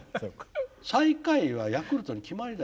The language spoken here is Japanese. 「最下位はヤクルトに決まりだ」